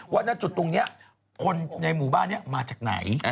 ว่าในจุดตรงนี้คนในหมู่บ้านเนี่ยมาจากไหน